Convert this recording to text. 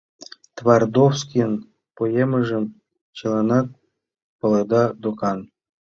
Твардовскийын поэмыжым чыланат паледа докан.